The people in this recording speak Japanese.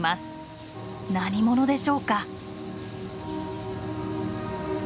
何者でしょうか？